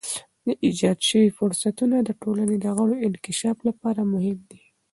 ایجاد شوی فرصتونه د ټولنې د غړو انکشاف لپاره مهم دي.